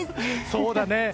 そうだね。